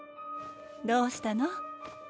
どうしたの？